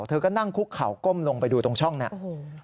เธอก็นั่งคุกเขาก้มลงไปดูตรงช่องนี้